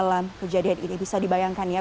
dalam kejadian ini bisa dibayangkan ya